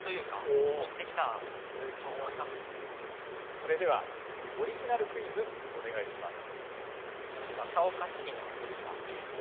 それではオリジナルクイズお願いします。